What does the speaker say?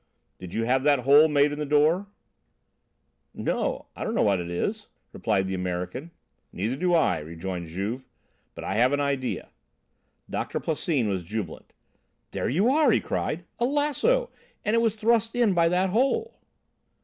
"Did you have that hole made in the door?" asked Juve. "No. I don't know what it is," replied the American. "Neither do I," rejoined Juve, "but I have an idea." Doctor Plassin was jubilant. "There you are!" he cried. "A lasso! And it was thrust in by that hole."